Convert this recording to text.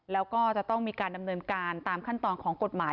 แล้วก็จะต้องมีการดำเนินการตามขั้นตอนของกฎหมาย